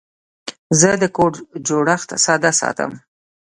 زه د کوډ جوړښت ساده ساتم.